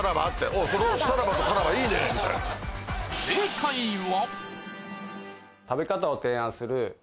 正解は。